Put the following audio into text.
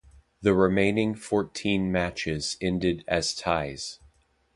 The remaining fourteen matches ended as ties.